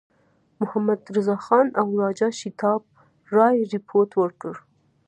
محمدرضاخان او راجا شیتاب رای رپوټ ورکړ.